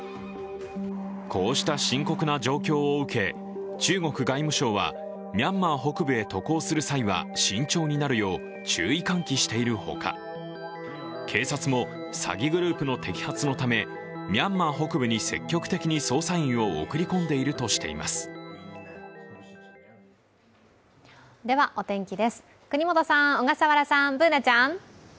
こうした深刻な状況を受け中国外務省はミャンマー北部へ渡航する際は慎重になるよう注意喚起しているほか警察も詐欺グループの摘発のためミャンマー北部に積極的に捜査員を送り込んでいるとしていますお天気です、國本さん、小笠原さん、Ｂｏｏｎａちゃん。